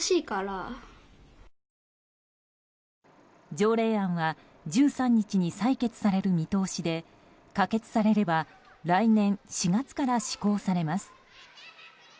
条例案は１３日に採決される見通しで可決されれば来年４月から施行されます。